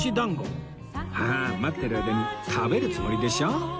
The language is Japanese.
ははーん待ってる間に食べるつもりでしょ？